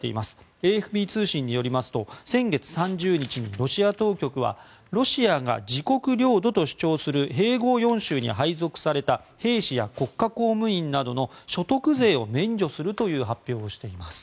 ＡＦＰ通信によりますと先月３０日にロシア当局はロシアが自国領土と主張する併合４州に配属された兵士や国家公務員などの所得税を免除するという発表をしています。